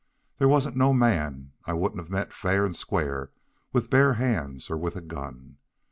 There wasn't no man I wouldn't of met fair and square with bare hands or with a gun.